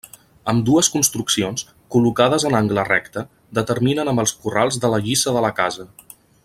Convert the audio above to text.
Ambdues construccions, col·locades en angle recte, determinen amb els corrals la lliça de la casa.